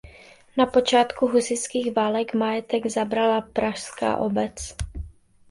Na počátku husitských válek majetek zabrala pražská obec.